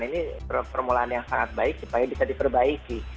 ini permulaan yang sangat baik supaya bisa diperbaiki